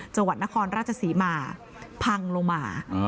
จังหวัดนครราชศรีมาพังลงมา